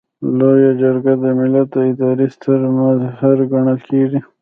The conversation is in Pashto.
لویه جرګه د ملت د ادارې ستر مظهر ګڼل کیږي.